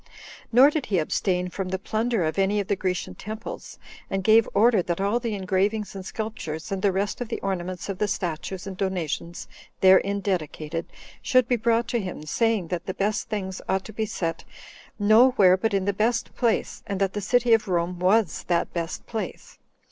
Nor did he abstain from the plunder of any of the Grecian temples, and gave order that all the engravings and sculptures, and the rest of the ornaments of the statues and donations therein dedicated, should be brought to him, saying that the best things ought to be set no where but in the best place, and that the city of Rome was that best place.